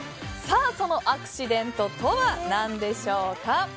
そのアクシデントとは何でしょうか。